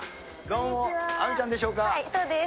はい、そうです。